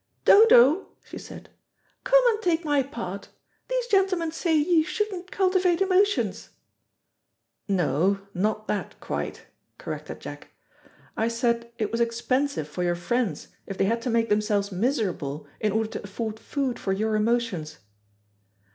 "Dodo," she said, "come and take my part. These gentlemen say you shouldn't cultivate emotions." "No, not that quite," corrected Jack. "I said it was expensive for your friends if they had to make themselves miserable, in order to afford food for your emotions."